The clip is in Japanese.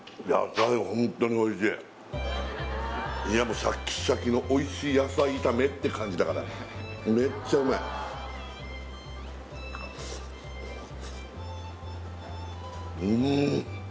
もうシャキシャキのおいしい野菜炒めって感じだからめっちゃうまいうーん！